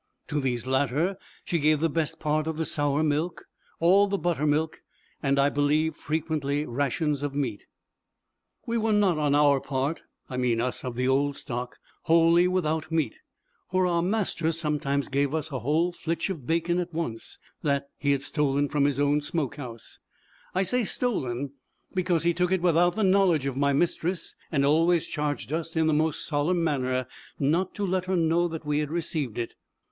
To these latter, she gave the best part of the sour milk, all the buttermilk, and I believe frequently rations of meat. We were not on our part (I mean us of the old stock) wholly without meat, for our master sometimes gave us a whole flitch of bacon at once; this he had stolen from his own smoke house I say stolen, because he took it without the knowledge of my mistress, and always charged us in the most solemn manner not to let her know that we had received it.